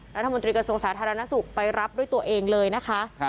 รัฐมนตรีกระทรวงสาธารณสุขไปรับด้วยตัวเองเลยนะคะ